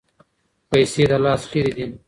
پیسې د لاس خیرې دي.